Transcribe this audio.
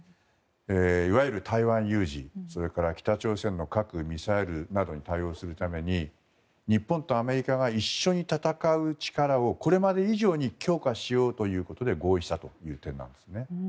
いわゆる台湾有事、それから北朝鮮の核ミサイルなどに対応するために日本とアメリカが一緒に戦う力をこれまで以上に強化しようということで合意したという点ですね。